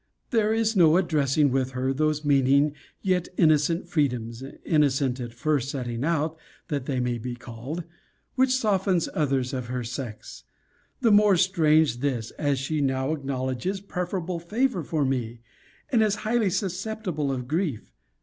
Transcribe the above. There is no addressing her with those meaning, yet innocent freedoms (innocent, at first setting out, they may be called) which soften others of her sex. The more strange this, as she now acknowledges preferable favour for me; and is highly susceptible of grief.